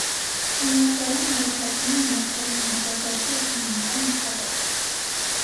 Համալսարանն առաջարկում է համաշխարհային մակարդակի ուսումնական միջավայր։